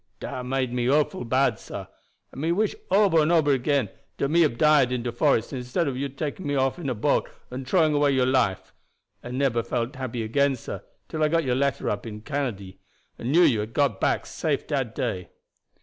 Dat made me awful bad, sah; and me wish ober and ober again dat me hab died in de forest instead ob your taking me off in a boat and trowing away your life. I neber felt happy again, sah, till I got your letter up in Canady, and knew you had got back safe dat day."